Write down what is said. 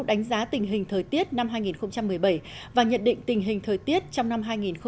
đánh giá tình hình thời tiết năm hai nghìn một mươi bảy và nhận định tình hình thời tiết trong năm hai nghìn một mươi chín